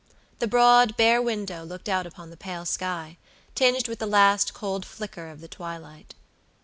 The broad, bare window looked out upon the pale sky, tinged with the last cold flicker of the twilight.